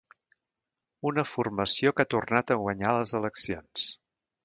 una formació que ha tornat a guanyar les eleccions